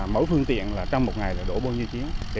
mỗi phương tiện trong một ngày đổ bao nhiêu chiếc